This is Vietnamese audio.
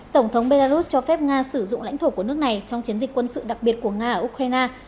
tổng thống belarus cho phép nga sử dụng lãnh thổ của nước này trong chiến dịch quân sự đặc biệt của nga ở ukraine